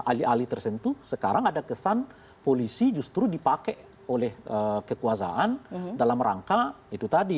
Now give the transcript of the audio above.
alih alih tersentuh sekarang ada kesan polisi justru dipakai oleh kekuasaan dalam rangka itu tadi